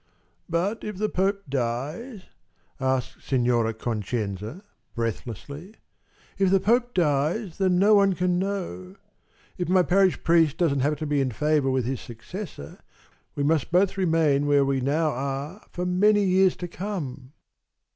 "But if the Pope dies?" asked Signora Concenza breathlessly. "If the Pope dies, then no one can know If my parish priest doesn't happen to be in favor with his successor, we must both remain where we now are for many years to come."